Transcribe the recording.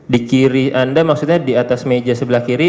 di kiri anda maksudnya di atas meja sebelah kiri